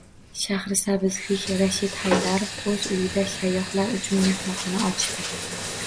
Shahrisabzlik Rashid Haydarov o‘z uyida sayyohlar uchun mehmonxona ochdi